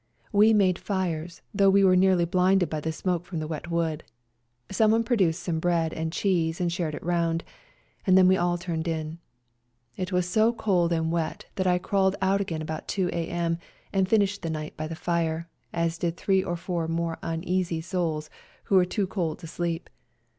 We made fires, though we were nearly blinded by the smoke from the wet wood ; someone produced some bread and cheese and shared it round, and then we all turned in. It was so cold and wet that I crawled out again about 2 a.m., and finished the night by the fire, as did three or four more uneasy souls who were too cold to sleep.